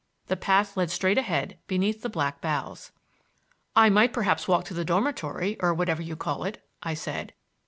The path led straight ahead beneath the black boughs. "I might perhaps walk to the dormitory, or whatever you call it," I said.